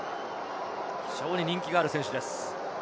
非常に人気がある選手です。